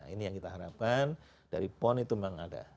ini yang kita harapkan dari pon itu memang ada